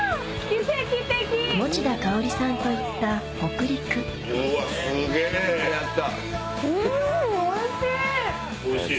持田香織さんと行ったうんおいしい！